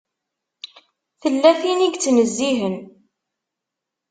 Tella tin i yettnezzihen.